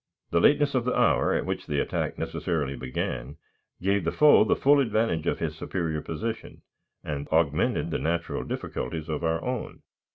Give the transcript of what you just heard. The lateness of the hour at which the attack necessarily began gave the foe the full advantage of his superior position, and augmented the natural difficulties of our own.